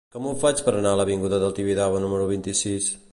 Com ho faig per anar a l'avinguda del Tibidabo número vint-i-sis?